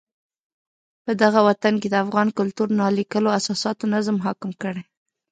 پدغه وطن کې د افغان کلتور نا لیکلو اساساتو نظم حاکم کړی.